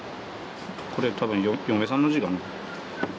これ多分嫁さんの字かな。